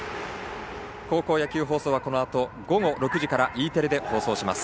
高校野球放送はこのあと午後６時からＥテレで放送します。